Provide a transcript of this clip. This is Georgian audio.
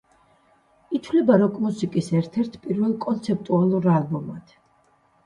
ითვლება როკ-მუსიკის ერთ-ერთ პირველ კონცეპტუალურ ალბომად.